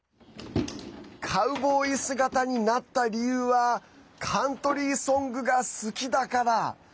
カウボーイ姿になった理由はカントリーソングが好きだから。